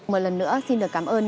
một lần nữa xin được cảm ơn